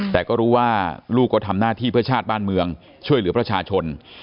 แต่ก็รู้ว่าลูกก็ทำหน้าที่เพื่อชาติบ้านเมืองช่วยเหลือประชาชน